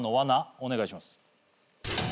お願いします。